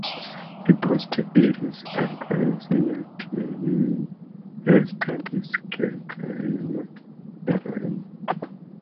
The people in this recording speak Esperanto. Li poste iris al Parizo, tie li restadis kelkajn jarojn.